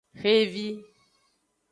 Xevi.